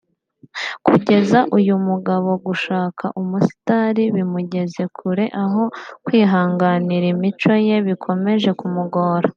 Kugeza uyu mugabo gushaka umusitari bimugeze kure aho kwihanganira imico ye bikomeje kumugora